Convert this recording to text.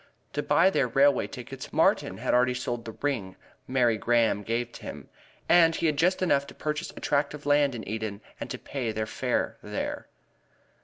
To buy their railway tickets Martin had already sold the ring Mary Graham had given him, and he had just enough to purchase a tract of land in Eden and to pay their fare there.